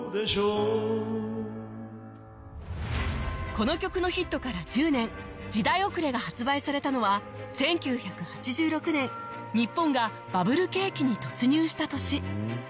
この曲のヒットから１０年『時代おくれ』が発売されたのは１９８６年日本がバブル景気に突入した年